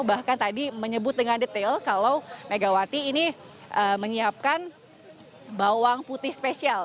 bahkan tadi menyebut dengan detail kalau megawati ini menyiapkan bawang putih spesial